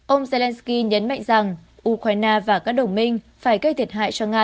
ông zelensky nhấn mạnh rằng ukraine và các đồng minh phải gây thiệt hại cho nga